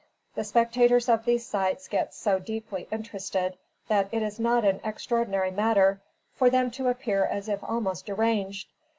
The spectators of these sights get so deeply interested that it is not an extraordinary matter for them to appear as if almost deranged.